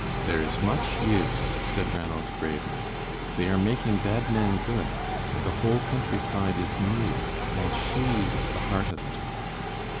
"There is much use," said Ranald, gravely. "They are making bad men good, and the whole countryside is new, and she is the heart of it all."